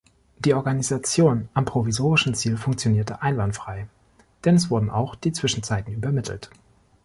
Die Organisation am provisorischen Ziel funktionierte einwandfrei, denn es wurden auch die Zwischenzeiten übermittelt.